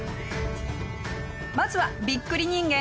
まずはびっくり人間